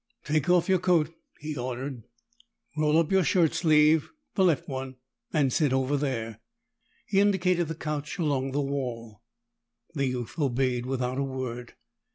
"Take off your coat," he ordered. "Roll up your shirt sleeve the left one. And sit over there." He indicated the couch along the wall. The youth obeyed without a word.